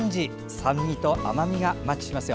酸味と甘みがマッチしますよ。